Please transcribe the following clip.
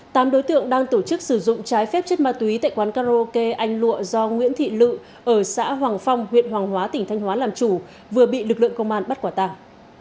tám đối tượng đang tổ chức sử dụng trái phép chất ma túy tại quán karaoke anh lụa do nguyễn thị lự ở xã hoàng phong huyện hoàng hóa tỉnh thanh hóa làm chủ vừa bị lực lượng công an bắt quả tàng